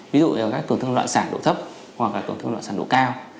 ví dụ như các tổn thương loạn sản độ thấp hoặc là tổn thương loạn sản độ cao